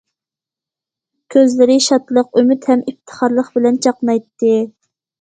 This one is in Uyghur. كۆزلىرى شادلىق، ئۈمىد ھەم ئىپتىخارلىق بىلەن چاقنايتتى.